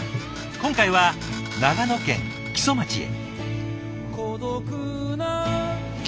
今回は長野県木曽町へ。